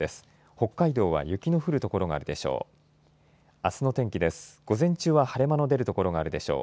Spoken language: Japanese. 北海道は雪の降る所があるでしょう。